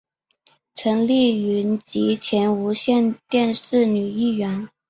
陈丽云及前无线电视女艺员。